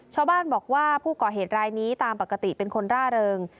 ชาวบ้านบอกว่าผู้ก่อเหตุรายนี้ตามปกติเป็นคนร่าเริง